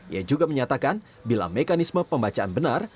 ia juga menyatakan bila mekanisme pembacaan benar